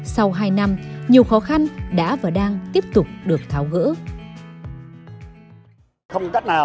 sau hai năm nhiều khó khăn đã và đang tiếp tục được tháo gỡ